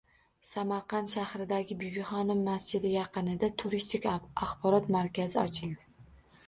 Samarqand shahridagi Bibixonim masjidi yaqinida turistik axborot markazi ochildi